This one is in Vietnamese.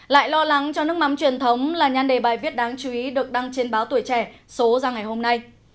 lại lo lắng cho nước mắm truyền thống là nhan đề bài viết đáng chú ý được đăng trên báo tuổi trẻ số ra ngày hôm nay